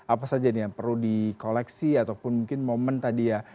apa saja nih yang perlu di koleksi ataupun mungkin momen tadi ya